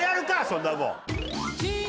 そんなもん。